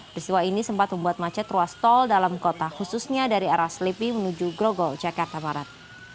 peristiwa ini sempat membuat macet ruas tol dalam kota khususnya dari arah selipi menuju grogol jakarta barat